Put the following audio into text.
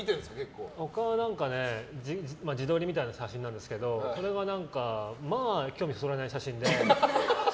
他は自撮りみたいな写真でそれもまあ興味そそられない写真で。